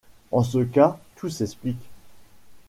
En ce cas, tout s’explique !